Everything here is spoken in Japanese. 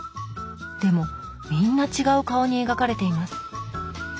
でもみんな違う顔に描かれています。